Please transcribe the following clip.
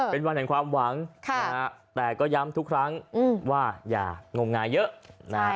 เป็นวันแห่งความหวังนะฮะแต่ก็ย้ำทุกครั้งว่าอย่างมงายเยอะนะฮะ